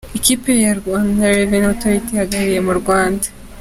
Ikipe ya Rwanda Revenue Authority ihagarariye u Rwanda.